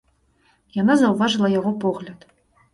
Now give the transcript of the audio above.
Яна заўважыла яго погляд.